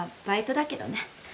バイトだけどね。